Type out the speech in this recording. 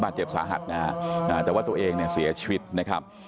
เจ็บสาหัสนะฮะแต่ว่าตัวเองเนี่ยเสียชีวิตนะครับ